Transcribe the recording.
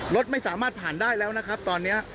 รถไม่สามารถผ่านได้แล้วนะครับตอนนี้